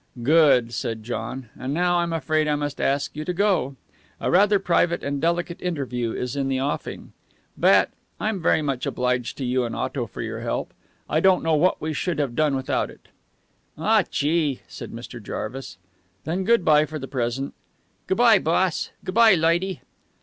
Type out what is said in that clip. "Good," said John. "And now I'm afraid I must ask you to go. A rather private and delicate interview is in the offing. Bat, I'm very much obliged to you and Otto for your help. I don't know what we should have done without it." "Aw, Chee!" said Mr. Jarvis. "Then good by for the present." "Good by, boss. Good by, loidy."